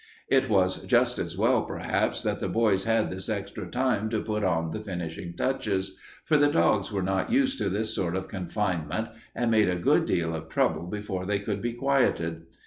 It was just as well, perhaps, that the boys had this extra time to put on the finishing touches, for the dogs were not used to this sort of confinement and made a good deal of trouble before they could be quieted.